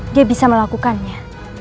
dia bisa melakukannya